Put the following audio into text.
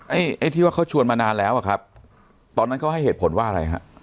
ไอ้ไอ้ที่ว่าเขาชวนมานานแล้วอ่ะครับตอนนั้นเขาให้เหตุผลว่าอะไรฮะ